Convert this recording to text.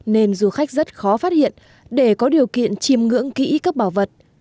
nên du khách rất khó phát hiện để có điều kiện chiêm ngưỡng kỹ các bảo vật